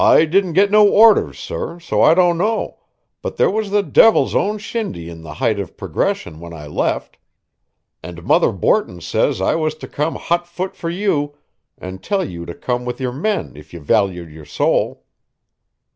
"I didn't get no orders, sor, so I don't know, but there was the divil's own shindy in the height of progression when I left. And Mother Borton says I was to come hot foot for you, and tell you to come with your men if ye valued your sowl."